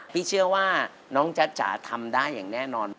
พี่เชื่อว่าน้องจ๊ะจ๋าทำได้อย่างแน่นอน